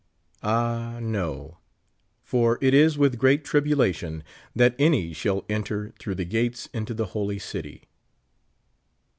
Ah, no ! for it is with great tribulation that any shall enter through the gates into the holy city.